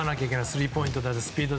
スリーポイントやスピード。